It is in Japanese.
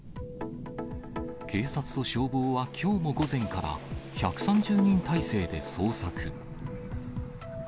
警察と消防はきょうも午前から、１３０人態勢で捜索。